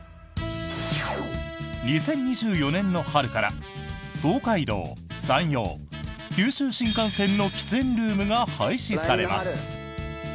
２０２４年の春から東海道・山陽・九州新幹線の喫煙ルームが廃止されます。